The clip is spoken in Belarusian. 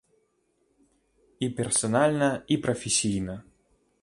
І персанальна, і прафесійна.